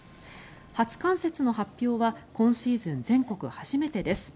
初冠雪の発表は今シーズン全国初めてです。